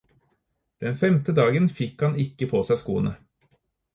Den femte dagen fikk han ikke på seg skoene.